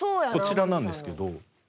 こちらなんですけど。